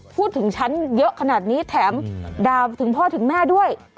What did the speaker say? พูดถึงฉันเยอะขนาดนี้แถมดาผิมพ่อถึงแม่ด้วย